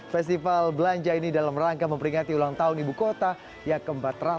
festival belanja ini dalam rangka memperingati ulang tahun ibu kota yang ke empat ratus enam puluh